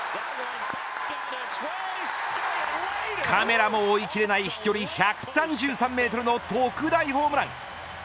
カメラも追いきれない飛距離１３３メートルの特大ホームラン。